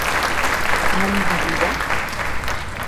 ¿han vivido?